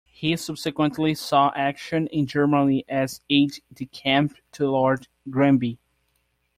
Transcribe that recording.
He subsequently saw action in Germany as aide-de-camp to Lord Granby.